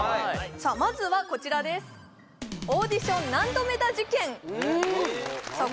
まずはこちらですさあ